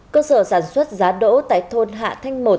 cơ sở sản xuất giá đỗ tại thôn hạ thanh một